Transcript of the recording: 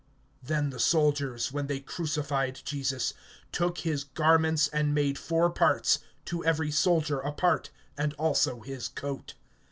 (23)Then the soldiers, when they crucified Jesus, took his garments, and made four parts, to every soldier a part, and also his coat.